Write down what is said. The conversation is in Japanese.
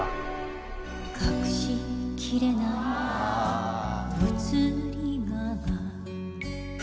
「隠しきれない移り香が」